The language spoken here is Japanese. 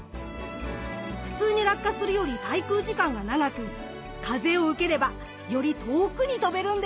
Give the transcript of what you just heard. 普通に落下するより滞空時間が長く風を受ければより遠くに飛べるんです。